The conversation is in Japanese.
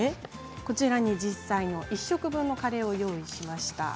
こちらに実際の１食分のカレーライスを用意しました。